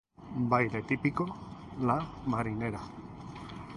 Baile Típico: La Marinera.